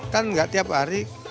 kan gak tiap hari